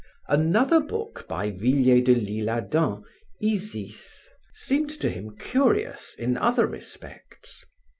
Another book by Villiers de L'Isle Adam, Isis, seemed to him curious in other respects.